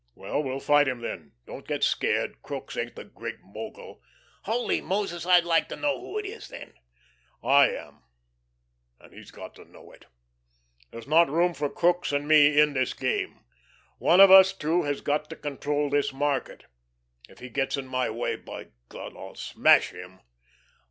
"Well, we'll fight him then. Don't get scared. Crookes ain't the Great Mogul." "Holy Moses, I'd like to know who is, then." "I am. And he's got to know it. There's not room for Crookes and me in this game. One of us two has got to control this market. If he gets in my way, by God, I'll smash him!"